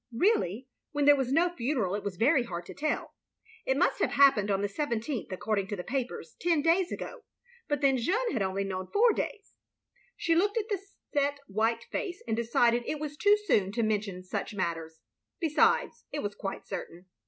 Really, when there was no ftineral, it was very hard to tell. It mtist have happened on the 17th, according to the papers, ten days ago. But then Jeanne had only known it four days. She looked at the set white face, and decided it was too soon to mention such matters. Besides, it was quite certain.